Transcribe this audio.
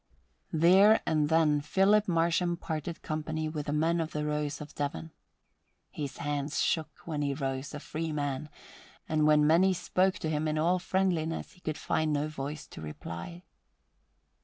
There and then Philip Marsham parted company with the men of the Rose of Devon. His hands shook when he rose a free man, and when many spoke to him in all friendliness he could find no voice to reply.